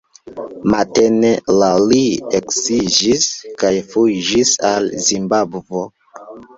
Matene la li eksiĝis kaj fuĝis al Zimbabvo.